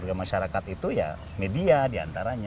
sebagai masyarakat itu ya media diantaranya